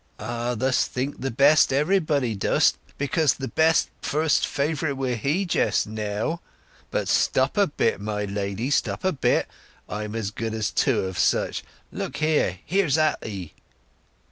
"Ah, th'st think th' beest everybody, dostn't, because th' beest first favourite with He just now! But stop a bit, my lady, stop a bit! I'm as good as two of such! Look here—here's at 'ee!"